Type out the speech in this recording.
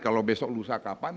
kalau besok lusa kapan